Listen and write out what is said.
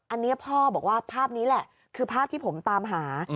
อันนี้พ่อบอกว่าภาพนี้แหละคือภาพที่ผมตามหา